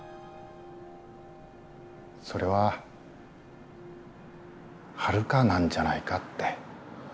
それはハルカなんじゃないかって。